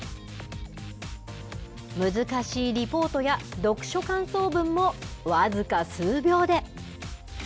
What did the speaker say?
難しいリポートや読書感想文も僅か数秒で。